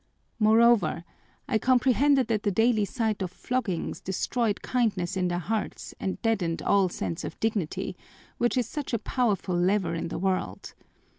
Moreover, I comprehended that the daily sight of floggings destroyed kindness in their hearts and deadened all sense of dignity, which is such a powerful lever in the world.